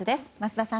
桝田さん。